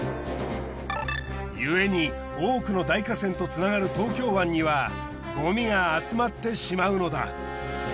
ゆえに多くの大河川とつながる東京湾にはごみが集まってしまうのだ。